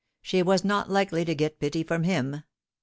She was not likely to get pity from him.